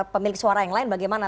pemilik suara yang lain bagaimana